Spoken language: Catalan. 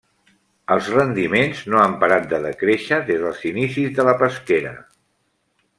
Els rendiments no han parat de decréixer des dels inicis de la pesquera.